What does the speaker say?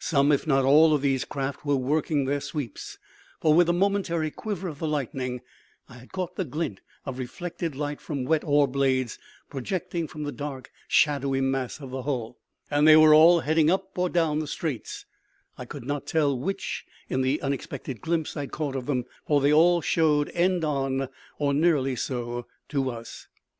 Some, if not all, of these craft were working their sweeps; for, with the momentary quiver of the lightning, I had caught the glint of reflected light from wet oar blades projecting from the dark, shadowy mass of the hull; and they were all heading up or down the straits I could not tell which in the unexpected glimpse I had caught of them for they all showed end on, or nearly so, to us.